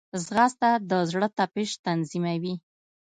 ځغاسته د زړه تپش تنظیموي